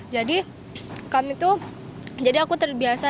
jadi aku terbiasa